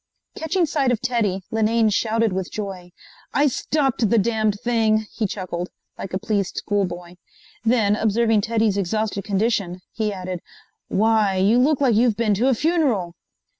Catching sight of Teddy, Linane shouted with joy. "I stopped the damned thing," he chuckled, like a pleased schoolboy. Then, observing Teddy's exhausted condition he added: "Why, you look like you have been to a funeral!"